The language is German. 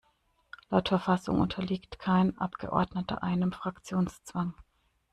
Laut Verfassung unterliegt kein Abgeordneter einem Fraktionszwang.